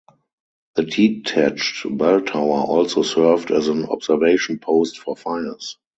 The detached bell tower also served as an observation post for fires.